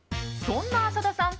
そんな浅田さん